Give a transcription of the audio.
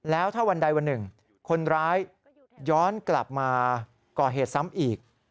แล้วถ้าวันใดวันหนึ่งคนร้ายย้อนกลับมาก่อเหตุซ้ำอีก